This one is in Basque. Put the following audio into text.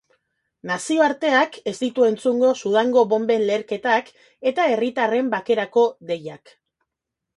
Nazioarteak ez ditu entzungo Sudango bonben leherketak eta herritarren bakerako deiak.